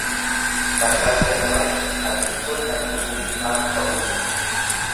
Carraan ganamaa, haxxissoon kan dhuunfaa ta'uu ibsa.